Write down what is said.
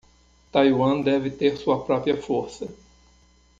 Taiwan deve ter sua própria força